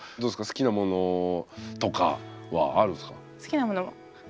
好きなものとかはあるんすか？